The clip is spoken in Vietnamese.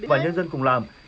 và nhân dân cùng làm